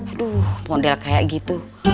aduh model kayak gitu